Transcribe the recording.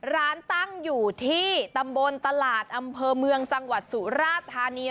ร้านตั้งอยู่ที่ตำบลตลาดอำเภอเมืองจังหวัดสุราธานี